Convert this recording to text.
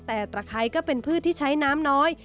แต่ตะไคร้ก็เป็นพืชที่ใช้น้ำน้อย